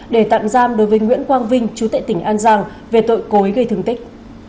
để tạm giam đối với nguyễn quang vinh chú tệ tỉnh an giang về tội cối gây thương tích